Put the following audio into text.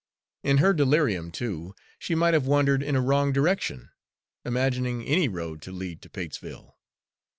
In her delirium, too, she might have wandered in a wrong direction, imagining any road to lead to Patesville.